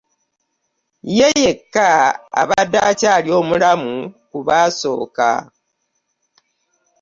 Ye yekka abadde akyali omulamu ku baasooka.